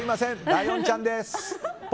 ライオンちゃんです。